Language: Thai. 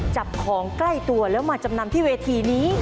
จับของใกล้ตัวแล้วมาจำนำที่เวทีนี้